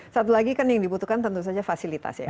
satu lagi kan yang dibutuhkan tentu saja fasilitas ya